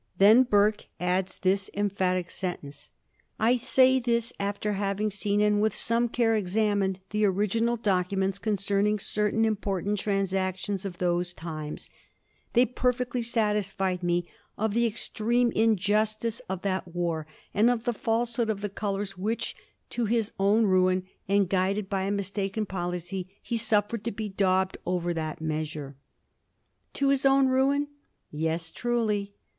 Then Burke adds this emphatic sentence :" I say this after having seen, and with some care examined, the original documents concerning certain important transactions of those times ; they perfectly satisfied me of the extreme injustice of that war, and of the falsehood of the colors which, to Ins own ruin, and guided by a mistaken policy, he suffered to be daubed over that measure." To his own ruin? Yes, truly.